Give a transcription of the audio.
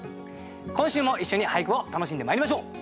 今週も一緒に俳句を楽しんでまいりましょう。